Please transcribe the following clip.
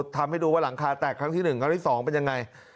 ทำให้ดูว่าหลังคาแตกครั้งที่๑ครั้งที่๒เป็นยังไง